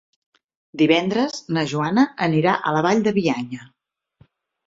Divendres na Joana anirà a la Vall de Bianya.